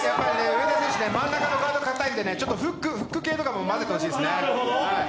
上田選手、真ん中のガードがかたいのでちょっとフック系とかもまぜてほしいですね。